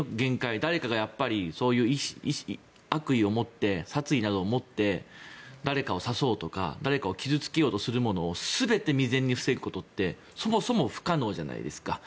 誰かがそういう悪意を持って殺意などを持って誰かを刺そうとか誰かを傷付けようとするものを全て未然に防ぐことってそもそも不可能じゃないですか。